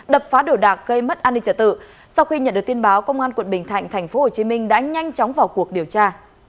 đập phá đồ đạc gây mất an ninh trả tự sau khi nhận được tin báo công an quận bình thạnh tp hcm đã nhanh chóng vào cuộc điều tra